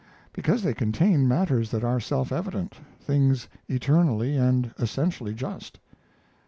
"Because they contain matters that are self evident things eternally and essentially just."